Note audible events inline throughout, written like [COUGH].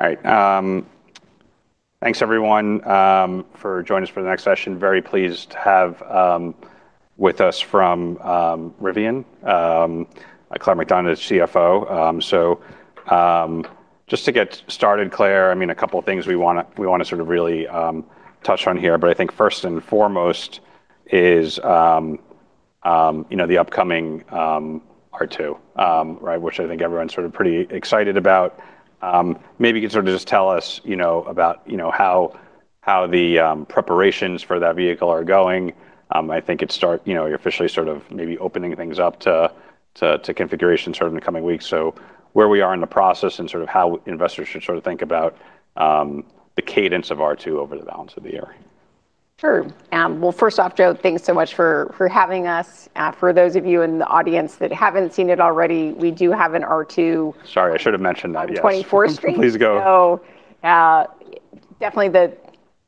All right. Thanks everyone for joining us for the next session. Very pleased to have with us from Rivian, Claire McDonough, CFO. Just to get started, Claire, a couple things we want to really touch on here, but I think first and foremost is the upcoming R2, which I think everyone's pretty excited about. Maybe you can just tell us about how the preparations for that vehicle are going. I think you're officially maybe opening things up to configuration in the coming weeks. Where we are in the process and how investors should think about the cadence of R2 over the balance of the year. Sure. Well, first off, Joe, thanks so much for having us. For those of you in the audience that haven't seen it already, we do have an R2— Sorry, I should've mentioned that, yes. On 24th Street. Please go. Definitely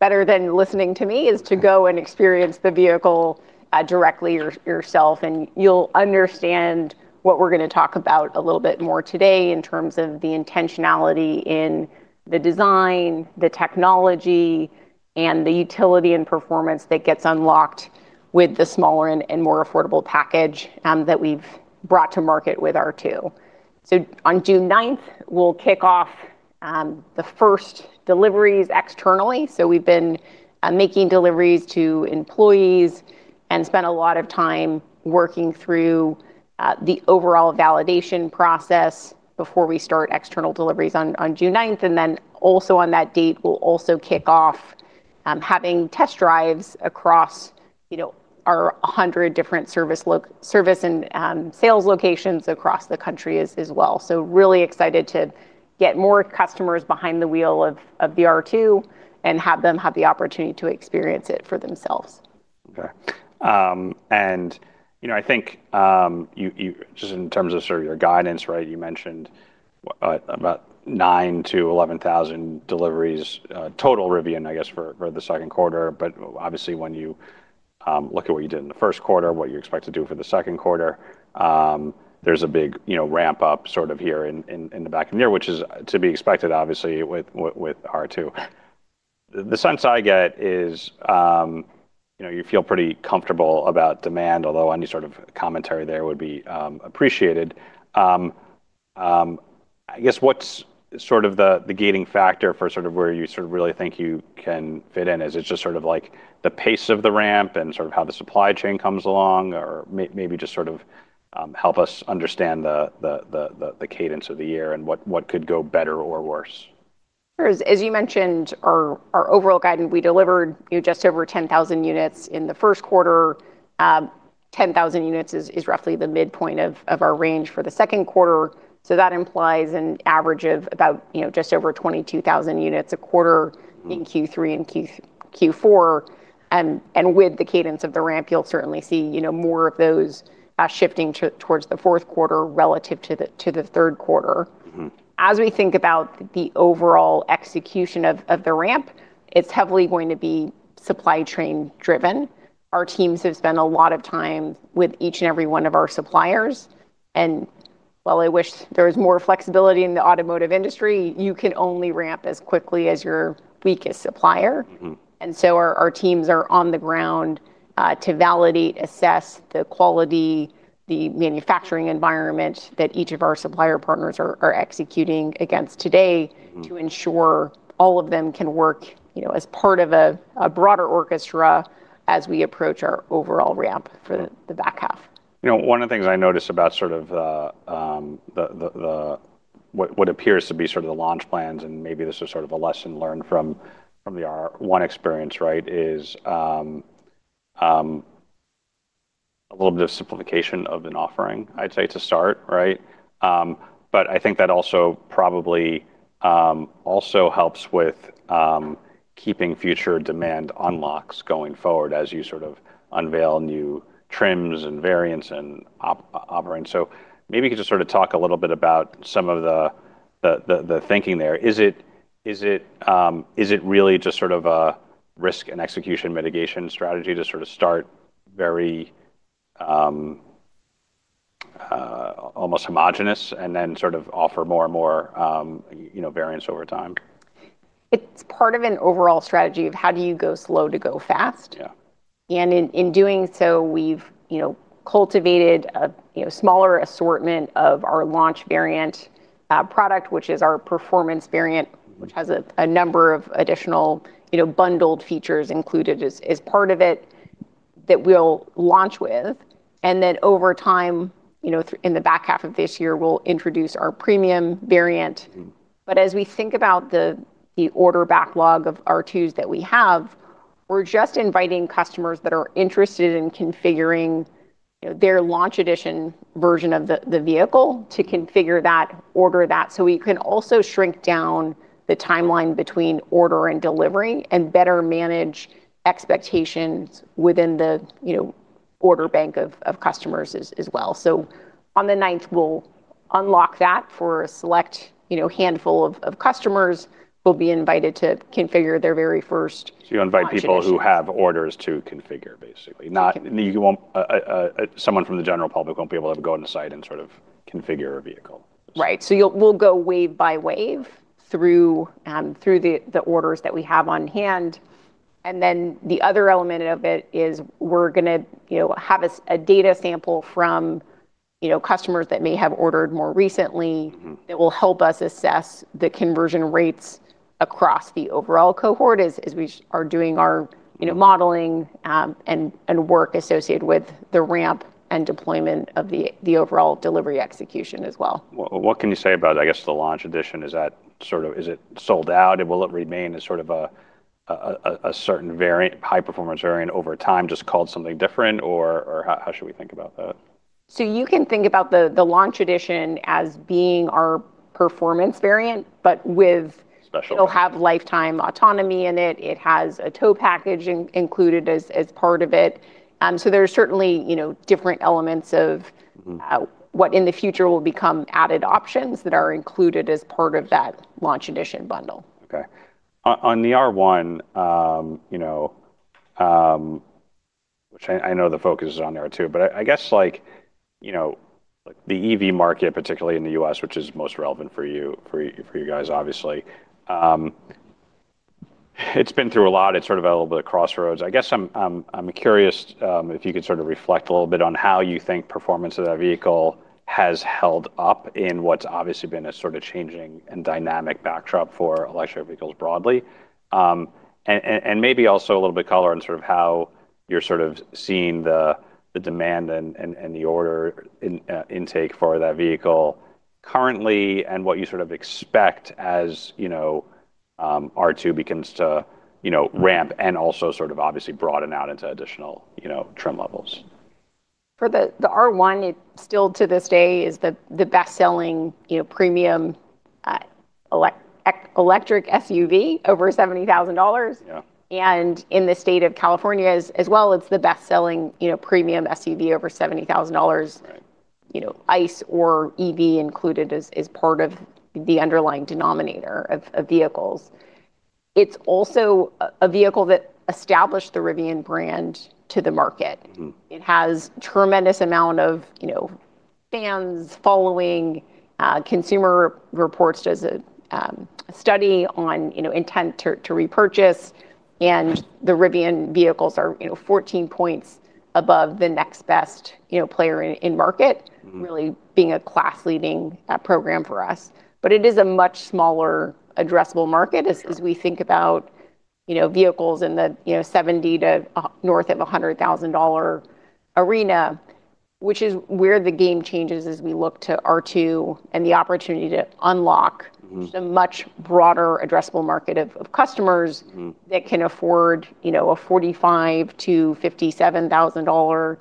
better than listening to me is to go and experience the vehicle directly yourself, and you'll understand what we're going to talk about a little bit more today in terms of the intentionality in the design, the technology, and the utility and performance that gets unlocked with the smaller and more affordable package that we've brought to market with R2. On June 9th, we'll kick off the first deliveries externally. We've been making deliveries to employees and spent a lot of time working through the overall validation process before we start external deliveries on June 9th. Also on that date, we'll also kick off having test drives across our 100 different service and sales locations across the country as well. Really excited to get more customers behind the wheel of the R2 and have them have the opportunity to experience it for themselves. Okay. I think, just in terms of sort of your guidance, you mentioned about 9,000 to 11,000 deliveries total Rivian, I guess, for the second quarter. Obviously, when you look at what you did in the first quarter, what you expect to do for the second quarter, there's a big ramp up sort of here in the back of the year, which is to be expected, obviously, with R2. The sense I get is you feel pretty comfortable about demand, although any sort of commentary there would be appreciated. I guess, what's the gating factor for where you really think you can fit in? Is it just the pace of the ramp and how the supply chain comes along, or maybe just sort of help us understand the cadence of the year and what could go better or worse? Sure. As you mentioned, our overall guidance, we delivered just over 10,000 units in the first quarter. 10,000 units is roughly the midpoint of our range for the second quarter. That implies an average of about just over 22,000 units a quarter in Q3 and Q4. With the cadence of the ramp, you'll certainly see more of those shifting towards the fourth quarter, relative to the third quarter. As we think about the overall execution of the ramp, it's heavily going to be supply chain driven. Our teams have spent a lot of time with each and every one of our suppliers. While I wish there was more flexibility in the automotive industry, you can only ramp as quickly as your weakest supplier. Our teams are on the ground to validate, assess the quality, the manufacturing environment that each of our supplier partners are executing against today to ensure all of them can work as part of a broader orchestra as we approach our overall ramp for the back half. One of the things I noticed about what appears to be the launch plans, and maybe this was sort of a lesson learned from the R1 experience, is a little bit of simplification of an offering, I'd say, to start. I think that also probably also helps with keeping future demand unlocks going forward as you unveil new trims and variants and offerings. Maybe you could just talk a little bit about some of the thinking there. Is it really just a risk and execution mitigation strategy to start very almost homogenous and then sort of offer more and more variants over time? It's part of an overall strategy of how do you go slow to go fast. Yeah. In doing so, we've cultivated a smaller assortment of our launch variant product, which is our performance variant, which has a number of additional bundled features included as part of it that we'll launch with. Over time, in the back half of this year, we'll introduce our premium variant. As we think about the order backlog of R2s that we have, we're just inviting customers that are interested in configuring their Launch Edition version of the vehicle to configure that, order that, so we can also shrink down the timeline between order and delivery and better manage expectations within the order bank of customers as well. On the 9th, we'll unlock that for a select handful of customers, will be invited to configure their very first Launch Edition. You invite people who have orders to configure, basically. Correct. Someone from the general public won't be able to go on the site and sort of configure a vehicle. Right. We'll go wave by wave through the orders that we have on hand. The other element of it is we're going to have a data sample from customers that may have ordered more recently. They will help us assess the conversion rates across the overall cohort as we are doing our modeling and work associated with the ramp and deployment of the overall delivery execution as well. What can you say about, I guess, the Launch Edition? Is it sold out? Will it remain as sort of a certain high-performance variant over time, just called something different, or how should we think about that? You can think about the Launch Edition as being our performance variant, but with— Special It'll have lifetime autonomy in it. It has a tow package included as part of it. There's certainly different elements of what in the future will become added options that are included as part of that Launch Edition bundle. Okay. On the R1, which I know the focus is on there, too, I guess the EV market, particularly in the U.S., which is most relevant for you guys, obviously, it's been through a lot. It's sort of at a little bit of crossroads. I guess I'm curious if you could sort of reflect a little bit on how you think performance of that vehicle has held up in what's obviously been a sort of changing and dynamic backdrop for electric vehicles broadly. Maybe also a little bit color on how you're seeing the demand and the order intake for that vehicle currently and what you sort of expect as R2 begins to ramp and also obviously broaden out into additional trim levels. For the R1, it still to this day is the best-selling premium electric SUV over $70,000. Yeah. In the state of California as well, it's the best-selling premium SUV over $70,000. Right. ICE or EV included as part of the underlying denominator of vehicles. It's also a vehicle that established the Rivian brand to the market. It has tremendous amount of fans following. Consumer Reports does a study on intent to repurchase. The Rivian vehicles are 14 points above the next best player in market. Really being a class leading program for us. it is a much smaller addressable market. Sure As we think about vehicles in the 70 to north of $100,000 arena, which is where the game changes as we look to R2 and the opportunity to unlock a much broader addressable market of customers that can afford a $45,000-$57,000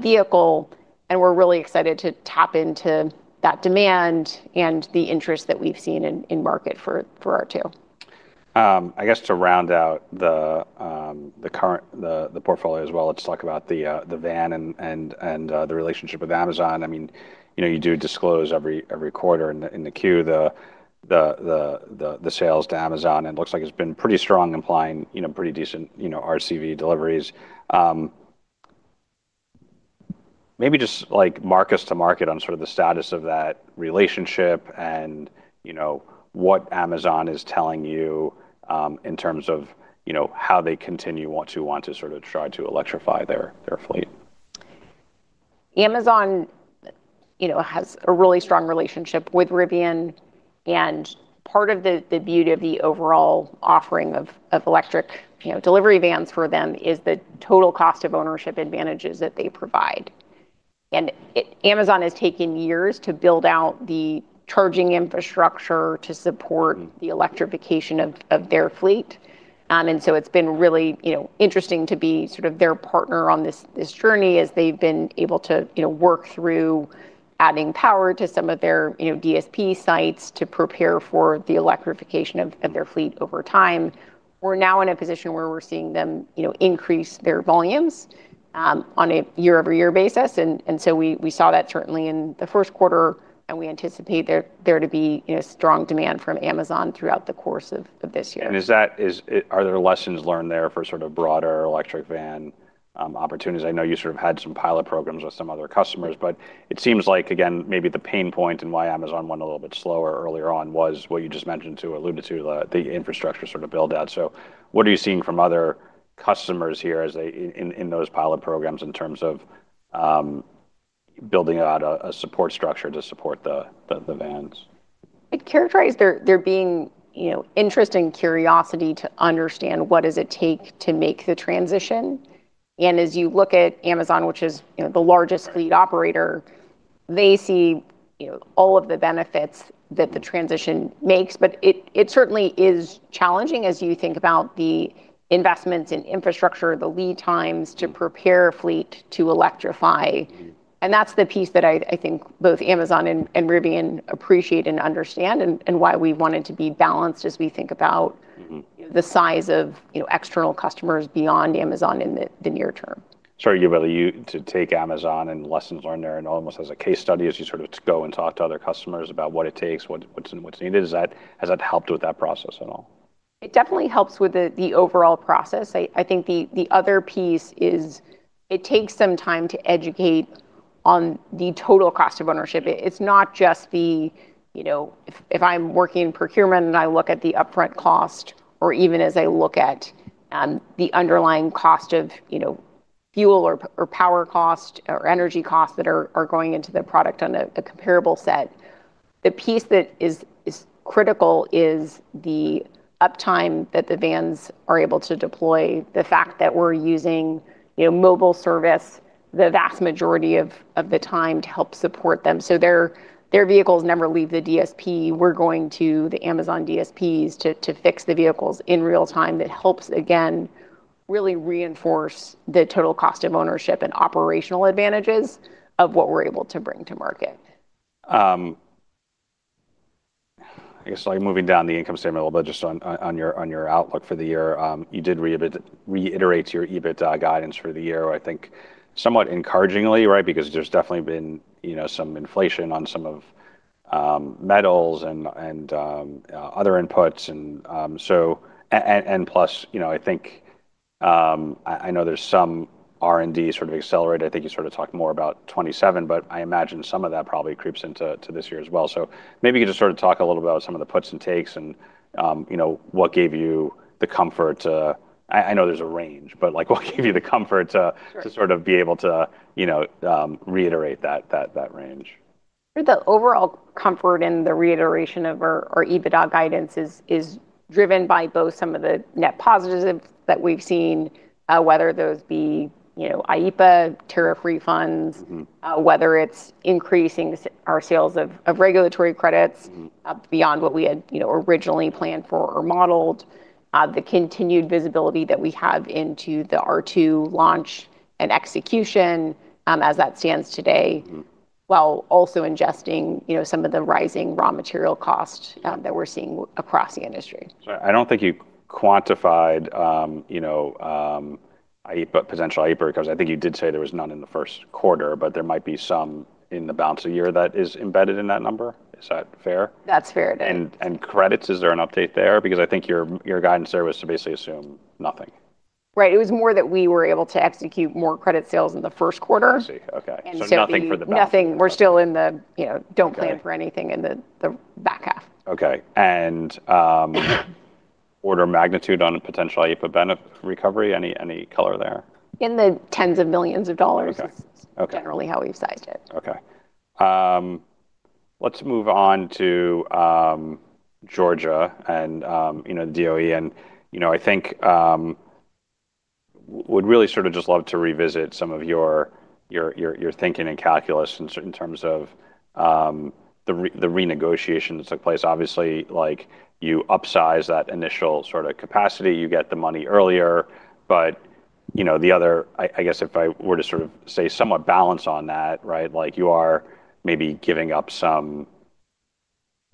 vehicle. We're really excited to tap into that demand and the interest that we've seen in market for R2. I guess to round out the current portfolio as well, let's talk about the van and the relationship with Amazon. You do disclose every quarter in the queue the sales to Amazon, and it looks like it's been pretty strong, implying pretty decent EDV deliveries. Maybe just mark us to market on sort of the status of that relationship and what Amazon is telling you in terms of how they continue to want to try to electrify their fleet. Amazon has a really strong relationship with Rivian and part of the beauty of the overall offering of electric delivery vans for them is the total cost of ownership advantages that they provide. Amazon has taken years to build out the charging infrastructure to support the electrification of their fleet. It's been really interesting to be sort of their partner on this journey as they've been able to work through adding power to some of their DSP sites to prepare for the electrification of their fleet over time. We're now in a position where we're seeing them increase their volumes on a year-over-year basis. We saw that certainly in the first quarter, and we anticipate there to be strong demand from Amazon throughout the course of this year. Are there lessons learned there for sort of broader electric van opportunities? I know you sort of had some pilot programs with some other customers. It seems like, again, maybe the pain point and why Amazon went a little bit slower earlier on was what you just mentioned too, alluded to, the infrastructure sort of build-out. What are you seeing from other customers here in those pilot programs in terms of building out a support structure to support the vans? I'd characterize there being interest and curiosity to understand what does it take to make the transition. As you look at Amazon, which is the largest fleet operator, they see all of the benefits that the transition makes. It certainly is challenging as you think about the investments in infrastructure, the lead times to prepare a fleet to electrify. That's the piece that I think both Amazon and Rivian appreciate and understand and why we wanted to be balanced as we think about the size of external customers beyond Amazon in the near term. Sorry to interrupt you, to take Amazon and lessons learned there and almost as a case study as you sort of go and talk to other customers about what it takes, what's needed. Has that helped with that process at all? It definitely helps with the overall process. I think the other piece is it takes some time to educate on the total cost of ownership. It's not just the, if I'm working in procurement and I look at the upfront cost or even as I look at the underlying cost of fuel or power cost or energy costs that are going into the product on a comparable set. The piece that is critical is the uptime that the vans are able to deploy, the fact that we're using mobile service the vast majority of the time to help support them. Their vehicles never leave the DSP. We're going to the Amazon DSPs to fix the vehicles in real time. That helps, again, really reinforce the total cost of ownership and operational advantages of what we're able to bring to market. I guess moving down the income statement a little bit, just on your outlook for the year. You did reiterate your EBITDA guidance for the year, I think somewhat encouragingly, right? There's definitely been some inflation on some of metals and other inputs. I think, I know there's some R&D sort of accelerated. I think you sort of talked more about 2027. I imagine some of that probably creeps into this year as well. Maybe you could just sort of talk a little about some of the puts and takes. I know there's a range. Sure To sort of be able to reiterate that range? The overall comfort in the reiteration of our EBITDA guidance is driven by both some of the net positives that we've seen, whether those be IRA tariff refunds, whether it's increasing our sales of regulatory credits beyond what we had originally planned for or modeled. The continued visibility that we have into the R2 launch and execution, as that stands today. While also ingesting some of the rising raw material cost that we're seeing across the industry. I don't think you quantified potential IRA recovery. I think you did say there was none in the first quarter, but there might be some in the balance of the year that is embedded in that number. Is that fair? That's fair. Credits, is there an update there? I think your guidance there was to basically assume nothing. Right. It was more that we were able to execute more credit sales in the first quarter. I see. Okay. Nothing for the— Nothing. We're still in the— Okay Don't plan for anything in the back half. Okay. Order of magnitude on a potential IRA benefit recovery? Any color there? In the tens of millions of dollars. Okay Is generally how we've sized it. Okay. Let's move on to Georgia and DOE. I think would really sort of just love to revisit some of your thinking and calculus in terms of the renegotiation that took place. Obviously, you upsize that initial sort of capacity. You get the money earlier. The other, I guess if I were to sort of say somewhat balance on that, right? Like you are maybe giving up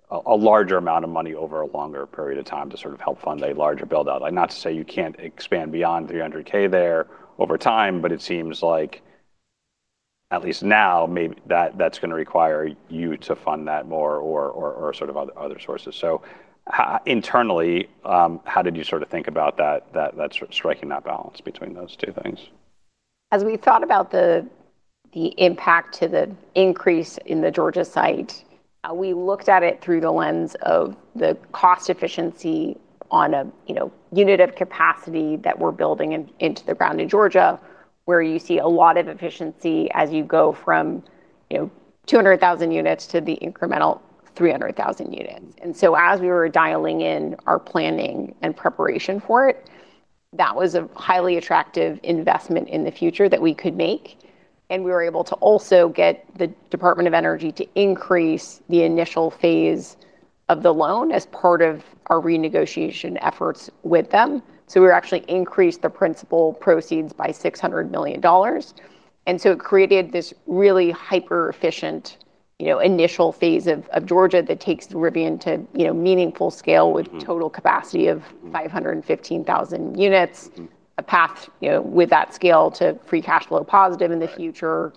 a larger amount of money over a longer period of time to sort of help fund a larger build-out. Not to say you can't expand beyond $300,000 there over time, but it seems like at least now, maybe that's going to require you to fund that more or sort of other sources. Internally, how did you sort of think about striking that balance between those two things? As we thought about the impact to the increase in the Georgia site, we looked at it through the lens of the cost efficiency on a unit of capacity that we're building into the ground in Georgia, where you see a lot of efficiency as you go from 200,000 units to the incremental 300,000 units. As we were dialing in our planning and preparation for it, that was a highly attractive investment in the future that we could make, and we were able to also get the Department of Energy to increase the initial phase of the loan as part of our renegotiation efforts with them. We actually increased the principal proceeds by $600 million. It created this really hyper-efficient, initial phase of Georgia that takes Rivian to meaningful scale with total capacity of 515,000 units. A path with that scale to free cash flow positive in the future.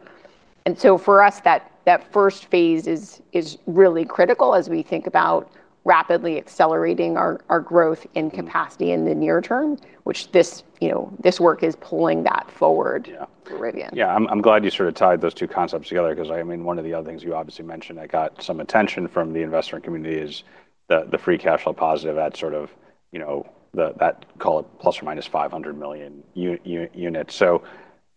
Right. For us, that first phase is really critical as we think about rapidly accelerating our growth in capacity in the near term. Which this work is pulling that forward. Yeah For Rivian. Yeah. I'm glad you sort of tied those two concepts together, because one of the other things you obviously mentioned that got some attention from the investor community is the free cash flow positive at sort of that, call it plus or -500,000 units.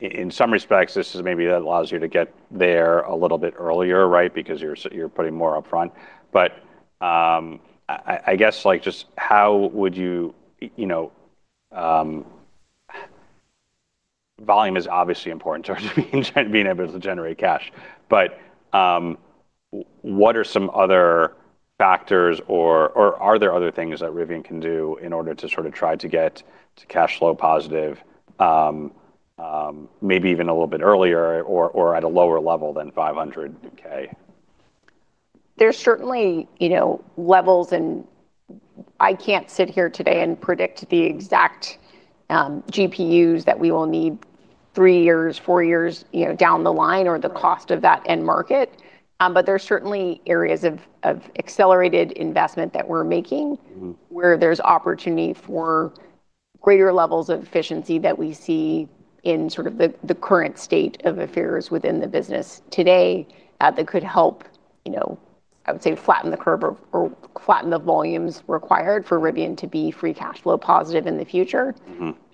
In some respects, this maybe allows you to get there a little bit earlier, right? Because you are pretty more upfront. I guess just how would you—Volume is obviously important in terms of being able to generate cash. What are some other factors, or are there other things that Rivian can do in order to sort of try to get to cash flow positive, maybe even a little bit earlier or at a lower level than 500,000 units? There's certainly levels, and I can't sit here today and predict the exact GPUs that we will need three years, four years down the line or the cost of that end market. There's certainly areas of accelerated investment that we're making, where there's opportunity for greater levels of efficiency that we see in sort of the current state of affairs within the business today, that could help, I would say flatten the curve or flatten the volumes required for Rivian to be free cash flow positive in the future.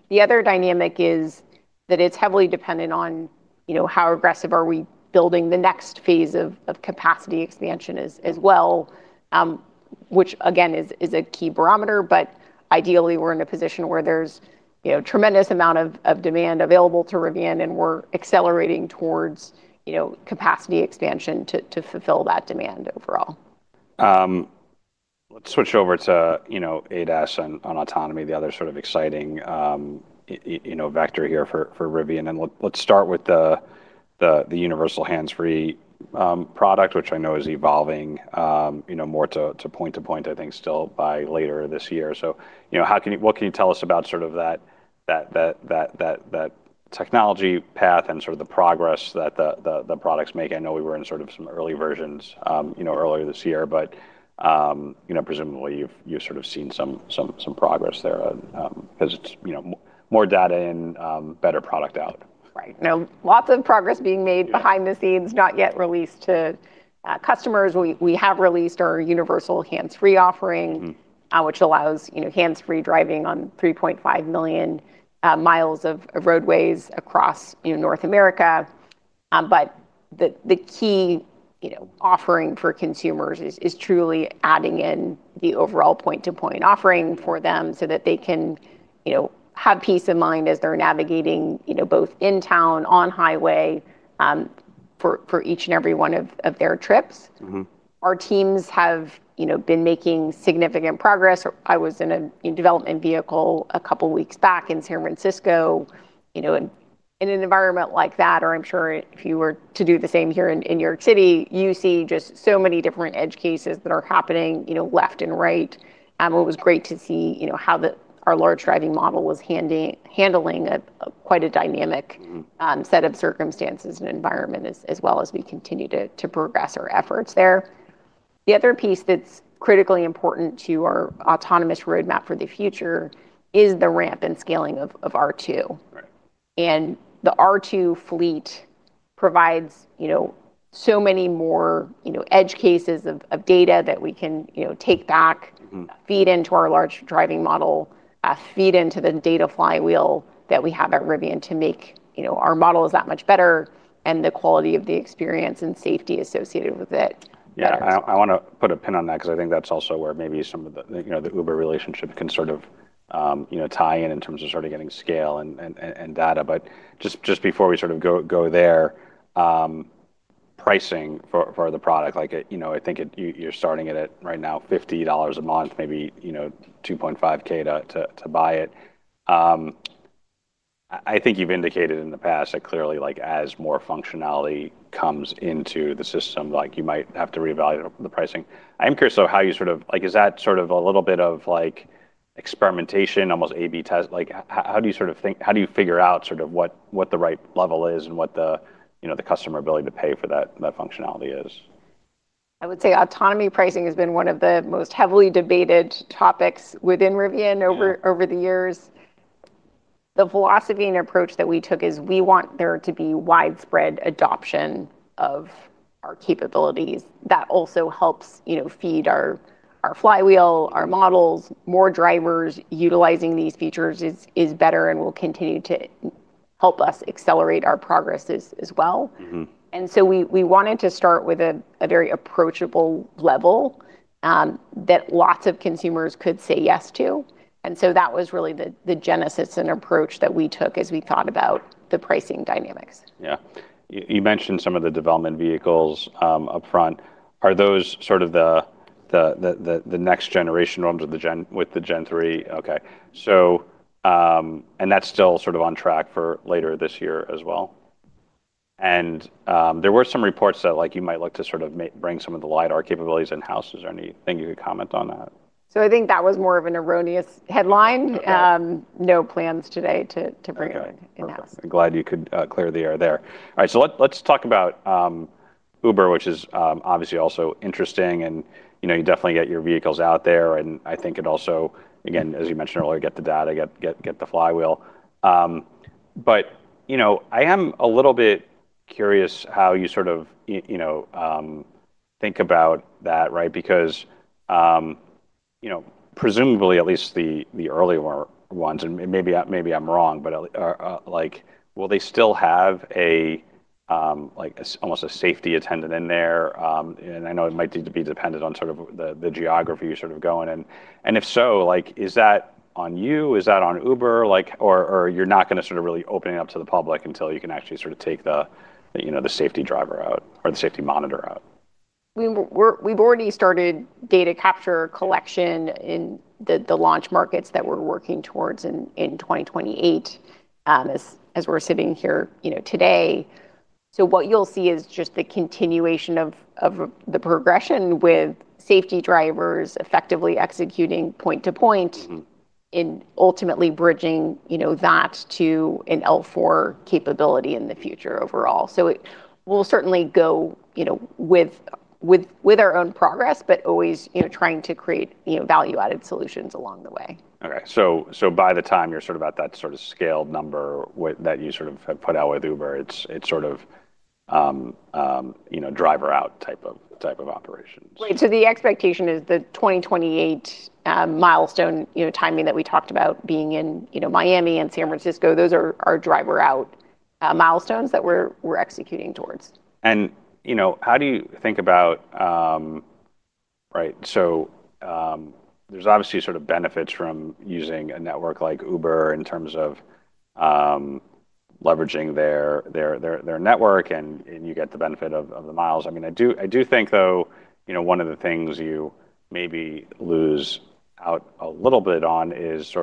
The other dynamic is that it's heavily dependent on how aggressive are we building the next phase of capacity expansion as well, which again, is a key barometer, but ideally, we're in a position where there's tremendous amount of demand available to Rivian, and we're accelerating towards capacity expansion to fulfill that demand overall. Let's switch over to ADAS and on autonomy, the other sort of exciting vector here for Rivian. Let's start with the universal hands-free product, which I know is evolving more to point-to-point, I think, still by later this year. What can you tell us about that technology path and the progress that the products make? I know we were in some early versions earlier this year, presumably, you've sort of seen some progress there, because it's more data and better product out. Right. No, lots of progress being made. Yeah Behind the scenes, not yet released to customers. We have released our universal hands-free offering which allows hands-free driving on 3.5 million miles of roadways across North America. The key offering for consumers is truly adding in the overall point-to-point offering for them so that they can have peace of mind as they're navigating, both in town, on highway, for each and every one of their trips. Our teams have been making significant progress. I was in a development vehicle a couple of weeks back in San Francisco. In an environment like that, or I'm sure if you were to do the same here in New York City, you see just so many different edge cases that are happening left and right. It was great to see how our large driving model was handling quite a dynamic set of circumstances and environment as well as we continue to progress our efforts there. The other piece that's critically important to our autonomous roadmap for the future is the ramp and scaling of R2. Right. The R2 fleet provides so many more edge cases of data that we can take back. Feed into our large driving model, feed into the data flywheel that we have at Rivian to make our models that much better and the quality of the experience and safety associated with it better. Yeah. I want to put a pin on that because I think that's also where maybe some of the Uber relationship can sort of tie in in terms of getting scale and data. Just before we go there, pricing for the product, I think you're starting it at, right now, $50 a month, maybe 2.5K to buy it. I think you've indicated in the past that clearly as more functionality comes into the system, you might have to reevaluate the pricing. I'm curious though how you Is that a little bit of experimentation, almost A/B test? How do you figure out what the right level is and what the customer ability to pay for that functionality is? I would say autonomy pricing has been one of the most heavily debated topics within Rivian. Yeah. Over the years. The philosophy and approach that we took is we want there to be widespread adoption of our capabilities. That also helps feed our flywheel, our models. More drivers utilizing these features is better and will continue to help us accelerate our progress as well. We wanted to start with a very approachable level that lots of consumers could say yes to. That was really the genesis and approach that we took as we thought about the pricing dynamics. You mentioned some of the development vehicles upfront. Are those the next generation ones with the Gen 3? Okay. That's still on track for later this year as well? There were some reports that you might look to bring some of the lidar capabilities in-house. Is there anything you could comment on that? I think that was more of an erroneous headline. Okay. No plans today to bring anything in-house. Okay. Glad you could clear the air there. All right. Let's talk about Uber, which is obviously also interesting and you definitely get your vehicles out there. I think it also, again, as you mentioned earlier, get the data, get the flywheel. I am a little bit curious how you think about that, right? Because presumably, at least the earlier ones, and maybe I'm wrong, but will they still have almost a safety attendant in there? I know it might need to be dependent on the geography you're going in. If so, is that on you? Is that on Uber? You're not going to really open it up to the public until you can actually take the safety driver out, or the safety monitor out? We've already started data capture collection in the launch markets that we're working towards in 2028, as we're sitting here today. What you'll see is just the continuation of the progression with safety drivers effectively executing point to point in ultimately bridging that to an L4 capability in the future overall. It will certainly go with our own progress, but always trying to create value-added solutions along the way. Okay. By the time you're at that sort of scaled number that you sort of have put out with Uber, it's sort of driver out type of operations. Right. The expectation is the 2028 milestone timing that we talked about being in Miami and San Francisco, those are our driver-out milestones that we're executing towards. How do you think about—Right. There's obviously benefits from using a network like Uber in terms of leveraging their network, and you get the benefit of the miles. I do think, though, one of the things you maybe lose out a little bit on is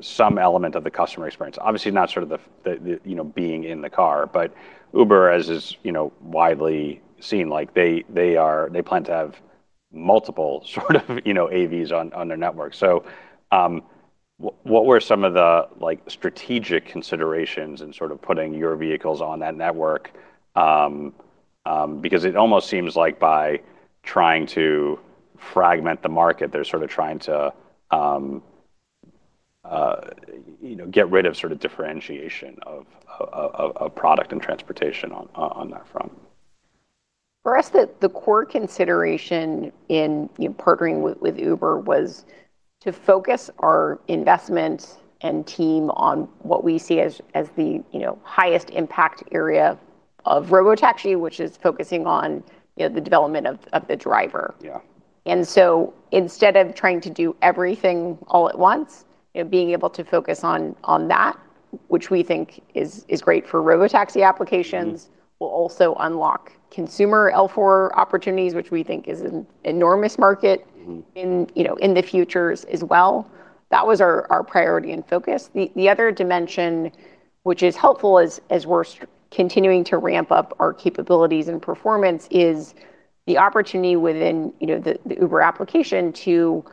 some element of the customer experience. Obviously, not the being in the car, but Uber as is widely seen, they plan to have multiple AVs on their network. What were some of the strategic considerations in putting your vehicles on that network? It almost seems like by trying to fragment the market, they're trying to get rid of differentiation of product and transportation on that front. For us, the core consideration in partnering with Uber was to focus our investment and team on what we see as the highest impact area of robotaxi, which is focusing on the development of the driver. Yeah. Instead of trying to do everything all at once, being able to focus on that, which we think is great for robotaxi applications will also unlock consumer L4 opportunities, which we think is an enormous market in the futures as well. That was our priority and focus. The other dimension which is helpful as we're continuing to ramp up our capabilities and performance is the opportunity within the Uber application to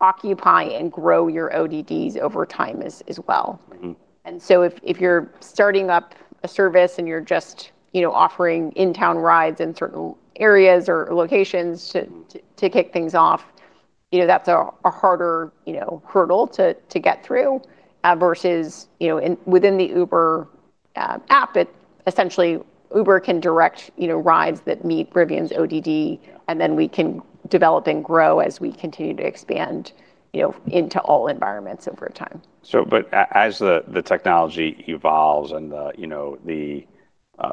occupy and grow your ODDs over time as well. If you're starting up a service and you're just offering in-town rides in certain areas or locations to kick things off, that's a harder hurdle to get through versus within the Uber app, essentially Uber can direct rides that meet Rivian's ODD. Yeah Then we can develop and grow as we continue to expand into all environments over time. As the technology evolves and the,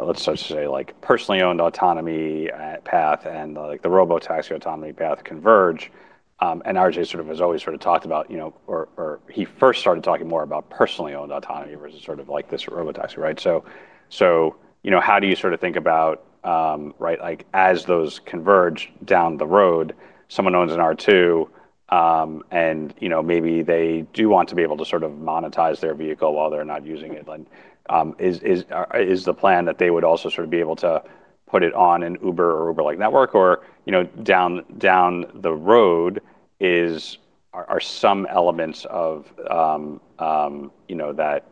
let's just say, personally owned autonomy path and the robotaxi autonomy path converge, and RJ has always talked about or he first started talking more about personally owned autonomy versus this robotaxi, right? How do you think about as those converge down the road, someone owns an R2, and maybe they do want to be able to monetize their vehicle while they're not using it. Is the plan that they would also be able to put it on an Uber or Uber-like network, or down the road are some elements of that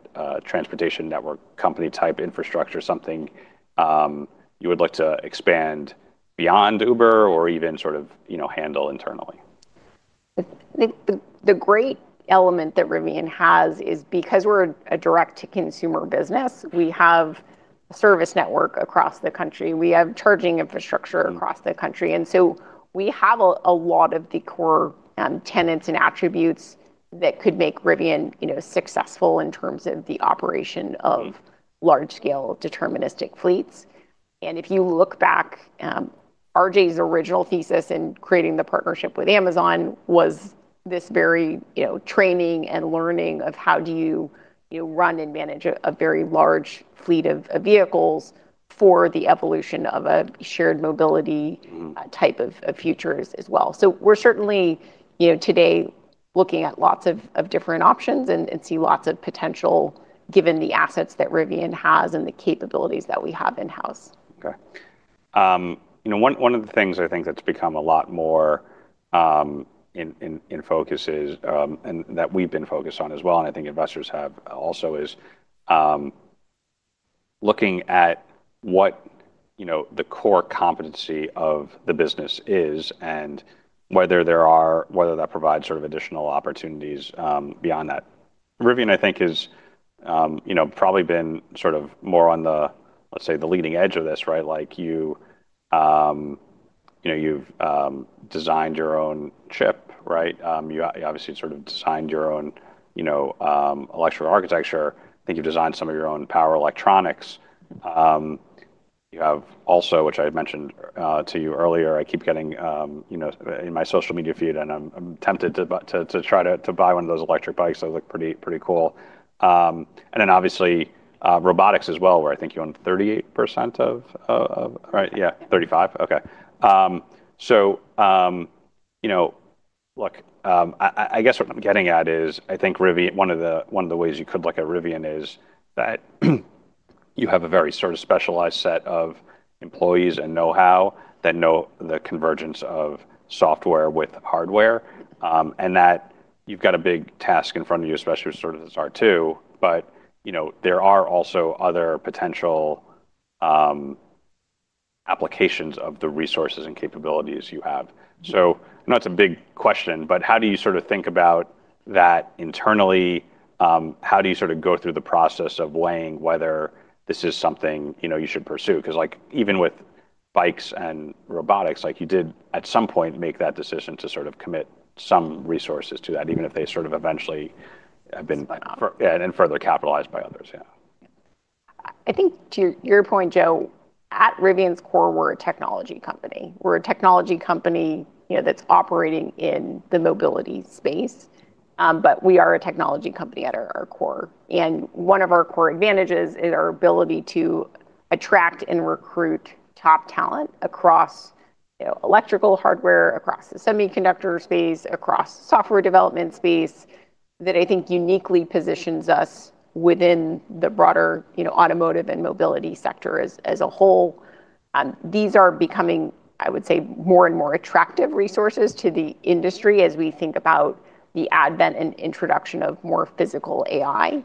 transportation network company type infrastructure something you would look to expand beyond Uber or even handle internally? The great element that Rivian has is because we're a direct-to-consumer business, we have a service network across the country. We have charging infrastructure across the country, so we have a lot of the core tenets and attributes that could make Rivian successful in terms of the operation of large-scale deterministic fleets. If you look back, RJ's original thesis in creating the partnership with Amazon was this very training and learning of how do you run and manage a very large fleet of vehicles for the evolution of a shared mobility type of futures as well. We're certainly today looking at lots of different options and see lots of potential given the assets that Rivian has and the capabilities that we have in-house. Okay. One of the things I think that's become a lot more in focus is, and that we've been focused on as well, and I think investors have also is looking at what the core competency of the business is and whether that provides additional opportunities beyond that. Rivian, I think, has probably been more on the, let's say, the leading edge of this, right? You've designed your own chip, right? You obviously designed your own electrical architecture. I think you've designed some of your own power electronics. You have also, which I had mentioned to you earlier, I keep getting in my social media feed, and I'm tempted to try to buy one of those electric bikes. They look pretty cool. Then obviously, robotics as well, where I think you own 38% of Right? Yeah. 35%? Okay. Look, I guess what I'm getting at is, I think one of the ways you could look at Rivian is that you have a very sort of specialized set of employees and know-how that know the convergence of software with hardware. That you've got a big task in front of you, especially with sort of this R2. There are also other potential applications of the resources and capabilities you have. I know it's a big question, but how do you think about that internally? How do you go through the process of weighing whether this is something you should pursue? Because even with bikes and robotics, you did at some point make that decision to commit some resources to that, even if they sort of eventually have been. Spin off. Yeah, further capitalized by others, yeah. I think to your point, Joe, at Rivian's core, we're a technology company. We're a technology company that's operating in the mobility space. We are a technology company at our core. One of our core advantages is our ability to attract and recruit top talent across electrical hardware, across the semiconductor space, across software development space, that I think uniquely positions us within the broader automotive and mobility sector as a whole. These are becoming, I would say, more and more attractive resources to the industry as we think about the advent and introduction of more physical AI.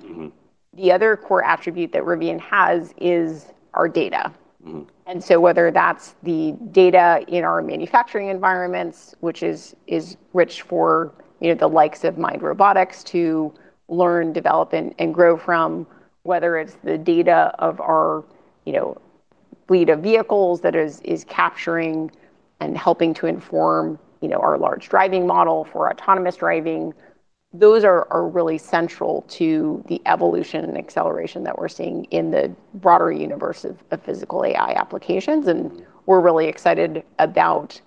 The other core attribute that Rivian has is our data. Whether that's the data in our manufacturing environments, which is rich for the likes of micro robotic to learn, develop, and grow from. Whether it's the data of our fleet of vehicles that is capturing and helping to inform our large driving model for autonomous driving. Those are really central to the evolution and acceleration that we're seeing in the broader universe of physical AI applications. We're really excited about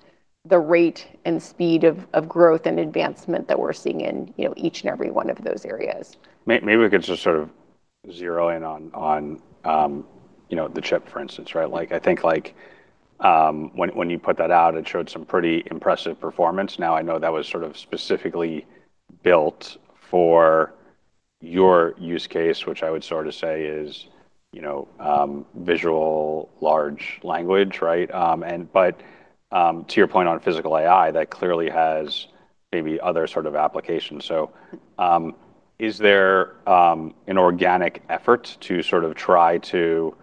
the rate and speed of growth and advancement that we're seeing in each and every one of those areas. Maybe we could just sort of zero in on the chip, for instance, right? When you put that out, it showed some pretty impressive performance. I know that was specifically built for your use case, which I would sort of say is large driving model, right? To your point on physical AI, that clearly has maybe other sort of applications. Is there any inorganic effort to sort of try to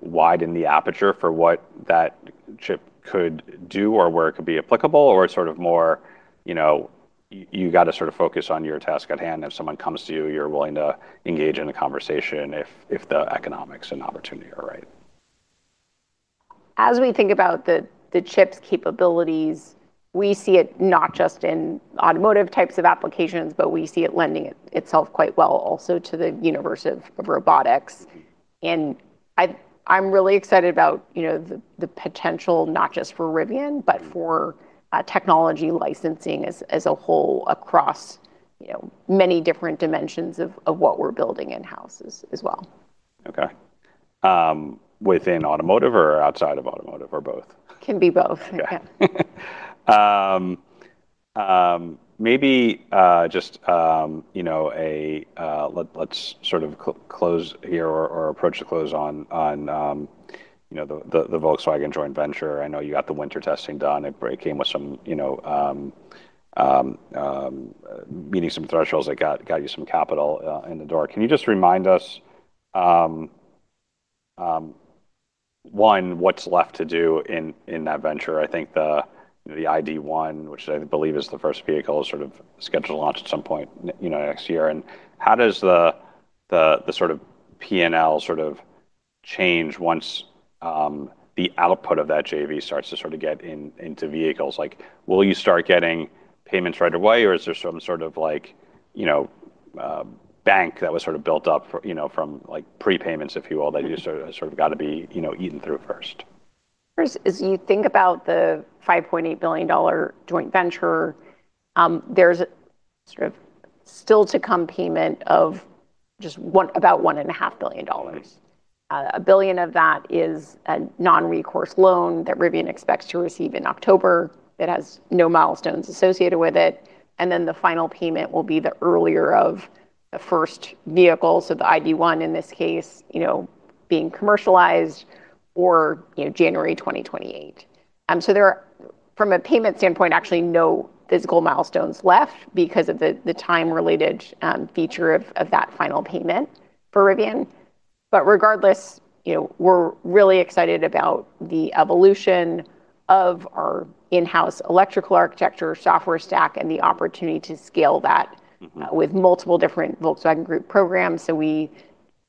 widen the [INAUDIBLE] for what that chip could do or applicable. Sort of more you've got to focus on your task at hand. If someone comes to you're willing to engage in a conversation if the economics and opportunity are right. As we think about the chip's capabilities, we see it not just in automotive types of applications, but we see it lending itself quite well also to the universe of robotics. I'm really excited about the potential, not just for Rivian, but for technology licensing as a whole across many different dimensions of what we're building in-house as well. Okay. Within automotive or outside of automotive, or both? Can be both. Okay. Maybe just let's sort of close here or approach the close on the Volkswagen joint venture. I know you got the winter testing done. It came with meeting some thresholds that got you some capital in the door. Can you just remind us, one, what's left to do in that venture? I think the ID.1, which I believe is the first vehicle, is scheduled to launch at some point next year. How does the sort of P&L change once the output of that JV starts to get into vehicles? Will you start getting payments right away, or is there some sort of bank that was built up from prepayments, if you will, that just sort of got to be eaten through first? As you think about the $5.8 billion joint venture, there's a sort of still to come payment of just about and $1.5 billions. Nice. $1 billion of that is a non-recourse loan that Rivian expects to receive in October that has no milestones associated with it. The final payment will be the earlier of the first vehicle, so the ID.1 in this case, being commercialized or January 2028. There are, from a payment standpoint, actually no physical milestones left because of the time-related feature of that final payment for Rivian. Regardless, we're really excited about the evolution of our in-house electrical architecture software stack and the opportunity to scale that with multiple different Volkswagen Group programs. We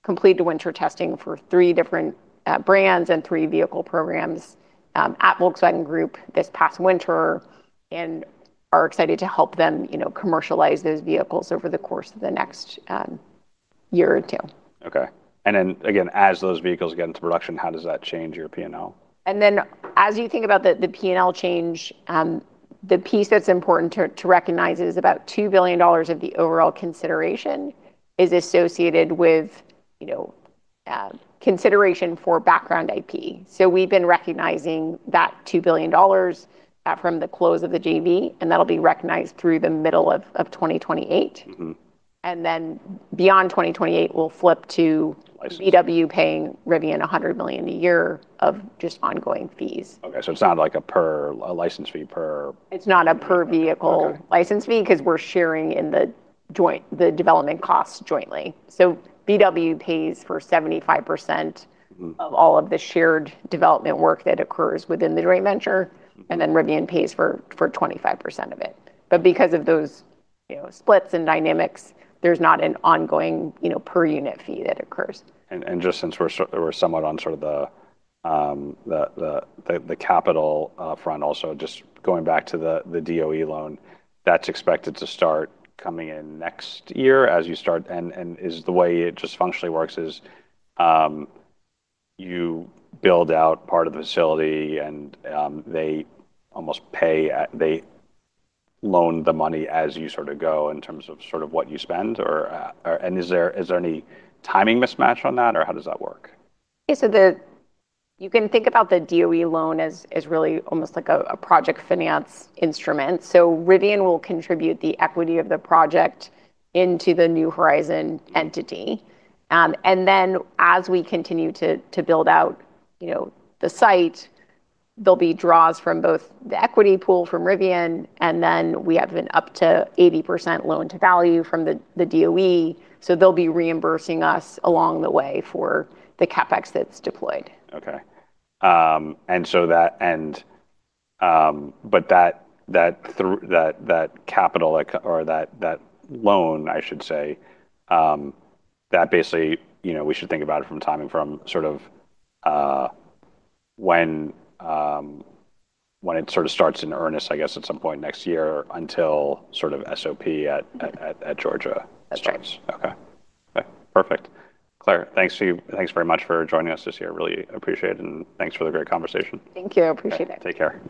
completed winter testing for three different brands and three vehicle programs at Volkswagen Group this past winter and are excited to help them commercialize those vehicles over the course of the next year or two. Okay. Then again, as those vehicles get into production, how does that change your P&L? As you think about the P&L change, the piece that's important to recognize is about $2 billion of the overall consideration is associated with consideration for background IP. We've been recognizing that $2 billion from the close of the JV, and that'll be recognized through the middle of 2028. Beyond 2028, we'll flip to- Licensing VW paying Rivian $100 million a year of just ongoing fees. Okay. It's not like a license fee. It's not a per vehicle- Okay License fee because we're sharing in the development costs jointly. VW pays for 75% of all of the shared development work that occurs within the joint venture, and then Rivian pays for 25% of it. Because of those splits and dynamics, there's not an ongoing per unit fee that occurs. Just since we're somewhat on the capital front also, just going back to the DOE loan, that's expected to start coming in next year as you start. The way it just functionally works is you build out part of the facility and they loan the money as you go in terms of what you spend. Is there any timing mismatch on that, or how does that work? Yeah. You can think about the DOE loan as really almost like a project finance instrument. Rivian will contribute the equity of the project into the New Horizon entity. As we continue to build out the site, there'll be draws from both the equity pool from Rivian, and then we have an up to 80% loan-to-value from the DOE. They'll be reimbursing us along the way for the CapEx that's deployed. Okay. That loan, I should say, that basically we should think about it from timing from when it starts in earnest, I guess, at some point next year until sort of SOP at Georgia starts. That's right. Okay. Perfect. Claire, thanks very much for joining us this year. Really appreciate it, thanks for the great conversation. Thank you. I appreciate it. Take care.